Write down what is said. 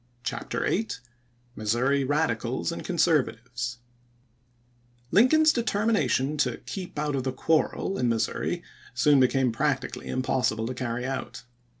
m's. CHAPTER Vin MISSOURI RADICALS AND CONSERVATIVES IINCOLN'S determination to " keep out of the J quarrel " in Missouri soon became practically impossible to carry out.